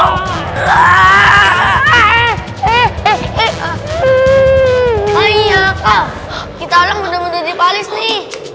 haikal kita alang mudah mudahan di paris nih